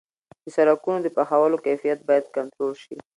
د سرکونو د پخولو کیفیت باید کنټرول شي.